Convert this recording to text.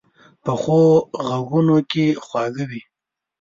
پخو غږونو کې خواږه وي